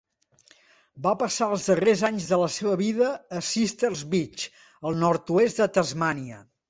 Va passar els darrers anys de la seva vida a Sisters Beach, al nord-oest de Tasmània.